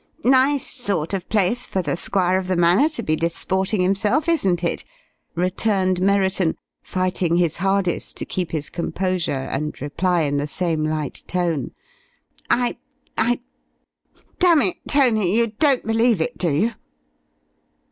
"Nice sort of place for the Squire of the Manor to be disporting himself, isn't it?" returned Merriton, fighting his hardest to keep his composure and reply in the same light tone. "I I damn it, Tony, you don't believe it, do you?"